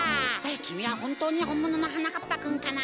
きみはほんとうにほんもののはなかっぱくんかな？